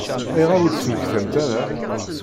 Ayɣer ur d-temmektamt ara?